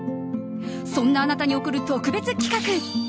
そんなあなたに贈る特別企画。